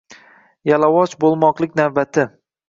Yalavoch bo’lmoqlik navbati